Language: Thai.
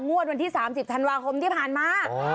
วันที่๓๐ธันวาคมที่ผ่านมา